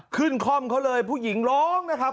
คล่อมเขาเลยผู้หญิงร้องนะครับ